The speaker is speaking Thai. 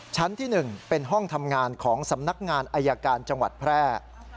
ชั้นที่๑เป็นห้องทำงานของสำนักงานอายการจังหวัดแพร่